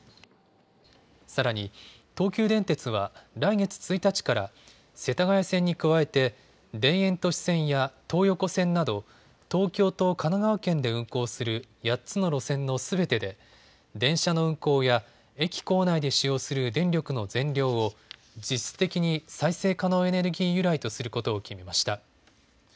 さらに、東急電鉄は来月１日から世田谷線に加えて田園都市線や東横線など、東京と神奈川県で運行する８つの路線のすべてで電車の運行や駅構内で使用する電力の全量を実質的に再生可能エネルギー由来とすることを決めました。